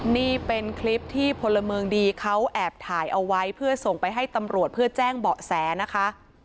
นี่เป็นคลิปที่พลเมืองดีเขาแอบถ่ายเอาไว้เพื่อส่งไปให้ตำรวจเพื่อแจ้งเบาะแสนะคะ